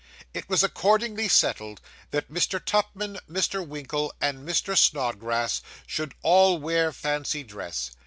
It was accordingly settled that Mr. Tupman, Mr. Winkle, and Mr. Snodgrass, should all wear fancy dresses.